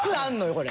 これ。